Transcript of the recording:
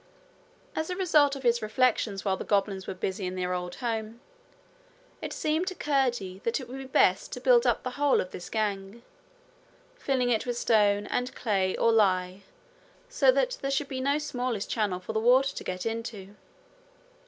As the result of his reflections while the goblins were busy in their old home, it seemed to Curdie that it would be best to build up the whole of this gang, filling it with stone, and clay or lie, so that there should be no smallest channel for the water to get into.